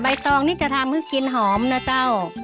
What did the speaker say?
ตองนี่จะทำคือกินหอมนะเจ้า